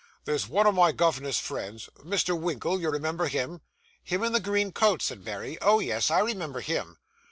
There's one o' my governor's friends Mr. Winkle, you remember him?' 'Him in the green coat?' said Mary. 'Oh, yes, I remember him.